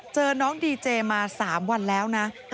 เจอน้องดีเจมา๓วันแล้วนะ